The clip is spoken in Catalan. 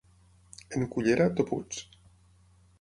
En Cullera, toputs.